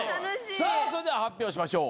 さあそれでは発表しましょう。